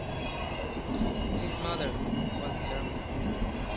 His mother was German.